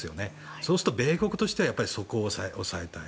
そうすると、米国ではやっぱり、そこを押さえたい。